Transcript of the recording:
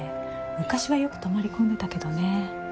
昔はよく泊まり込んでたけどね。